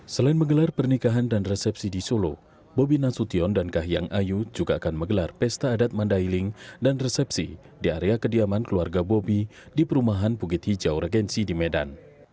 selain menggelar pernikahan dan resepsi di solo bobi nasution dan kahiyang ayu juga akan menggelar pesta adat mandailing dan resepsi di area kediaman keluarga bobi di perumahan bukit hijau regensi di medan